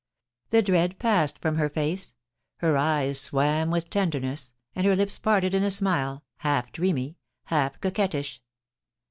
The dread passed from her face, her eyes swam with tenderness, and her lips parted in a smile, half dreamy, half coquettish.